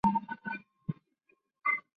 后来他在匹兹堡大学学习。